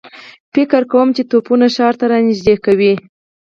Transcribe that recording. فکر کوم چې توپونه ښار ته را نږدې کوي.